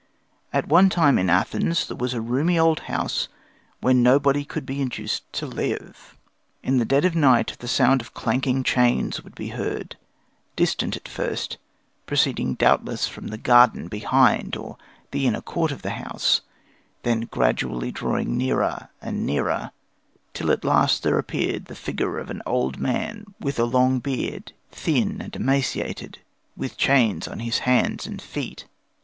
At one time in Athens there was a roomy old house where nobody could be induced to live. In the dead of night the sound of clanking chains would be heard, distant at first, proceeding doubtless from the garden behind or the inner court of the house, then gradually drawing nearer and nearer, till at last there appeared the figure of an old man with a long beard, thin and emaciated, with chains on his hands and feet.